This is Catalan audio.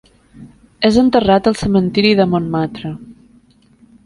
És enterrat al Cementiri de Montmartre.